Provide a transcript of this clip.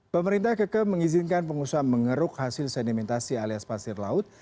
pemerintah kekem mengizinkan pengusaha mengeruk hasil sedimentasi alias pasir laut